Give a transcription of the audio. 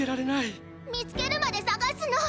みつけるまでさがすの！